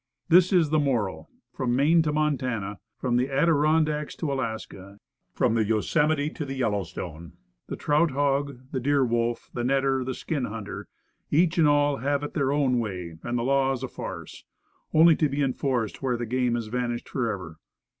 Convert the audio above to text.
This is the morale: From Maine to Montana; from the Adirondacks to Alaska; from the Yosemite to the Yellowstone, the trout hog, the deer wolf, the netter, the skin hunter, each and all have it their own way; and the law is a farce only to be enforced where the game has vanished forever.